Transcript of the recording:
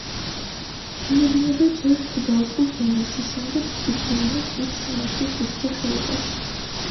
მიედინება ჯერ სუბალპურ ზონაში, შემდეგ წიწვიანი ტყით შემოსილ ვიწრო ხეობაში.